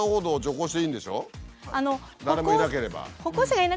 誰もいなければ。